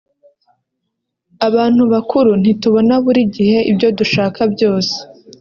abantu bakuru ntitubona buri gihe ibyo dushaka byose